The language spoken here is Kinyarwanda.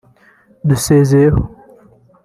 ndusezeyeho